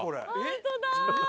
本当だ！